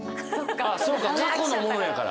そうか過去のものやから。